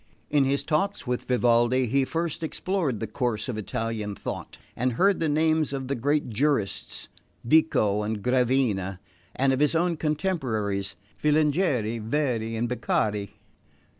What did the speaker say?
In his talks with Vivaldi he first explored the course of Italian thought and heard the names of the great jurists, Vico and Gravina, and of his own contemporaries, Filangieri, Verri and Beccaria.